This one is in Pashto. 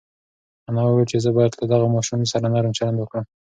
انا وویل چې زه باید له دغه ماشوم سره نرم چلند وکړم.